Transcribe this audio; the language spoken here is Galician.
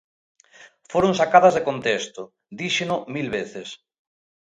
Foron sacadas de contexto, díxeno mil veces.